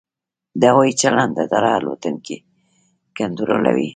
د هوايي چلند اداره الوتکې کنټرولوي؟